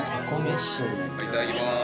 いただきます。